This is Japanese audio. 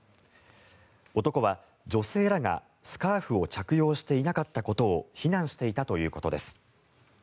男は、女性らがスカーフを着用していなかったことを非難していたということです。